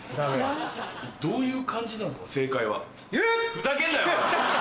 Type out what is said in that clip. ふざけんなよお前！